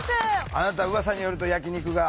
あなたうわさによると焼き肉が。